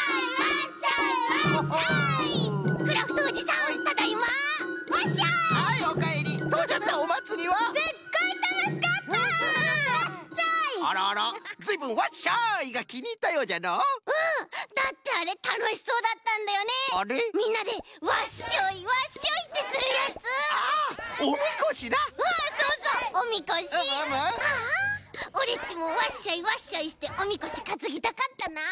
ああオレっちも「わっしょいわっしょい」しておみこしかつぎたかったな。